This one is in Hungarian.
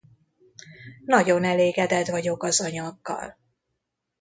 Nagyon elégedett vagyok az anyaggal.